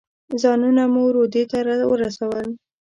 ځانونه مو روضې ته ورسول.